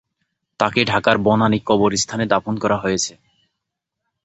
তাকে ঢাকার বনানী কবরস্থানে দাফন করা হয়েছে।